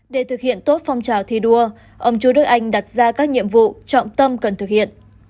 để thực hiện tốt phong trào thi đua ông chú đức anh đặt ra các nhiệm vụ trọng tâm cần thực hiện